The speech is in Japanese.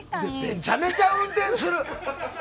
めちゃめちゃ運転する！